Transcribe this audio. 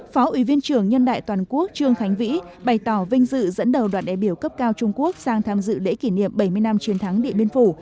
phó ủy viên trưởng nhân đại toàn quốc trương khánh vĩ bày tỏ vinh dự dẫn đầu đoàn đại biểu cấp cao trung quốc sang tham dự lễ kỷ niệm bảy mươi năm chiến thắng địa biên phủ